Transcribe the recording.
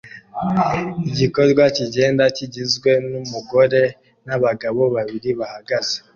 Igikorwa kigenda kigizwe numugore nabagabo babiri bahagaze